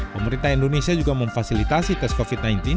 pemerintah indonesia juga memfasilitasi tes covid sembilan belas